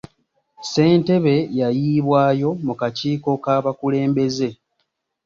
Ssentebe yayiibwayo mu kakiiko k'abakulembeze.